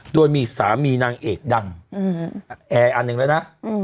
โดยมีสามีนางเอกดังแอร์อันหนึ่งแล้วนะ